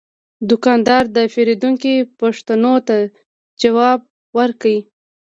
دوکاندار د پیرودونکي پوښتنو ته ځواب ورکړ.